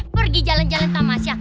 pergi jalan jalan tamasnya